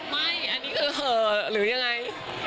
ไม่อันนี้คือเหอะหรือยังไง